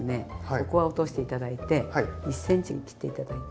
ここは落として頂いて１ｃｍに切って頂いて。